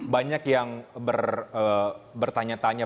banyak yang bertanya tanya